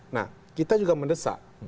nah kita juga mendesak